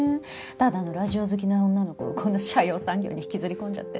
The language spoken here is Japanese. ただのラジオ好きな女の子をこんな斜陽産業に引きずり込んじゃって。